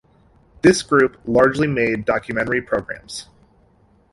This group largely made documentary programmes.